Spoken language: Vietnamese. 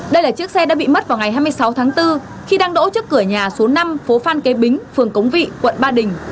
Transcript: đây là chiếc xe đã bị mất vào ngày hai mươi sáu tháng bốn khi đang đỗ trước cửa nhà số năm phố phan kế bính phường cống vị quận ba đình